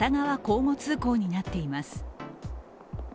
交互通行になっています。